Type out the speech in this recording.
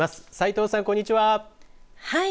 斉藤さん、こんにちは。